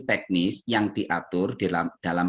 teknis yang diatur dalam